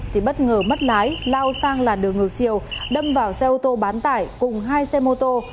thì bất ngờ mất lái lao sang làn đường ngược chiều đâm vào xe ô tô bán tải cùng hai xe mô tô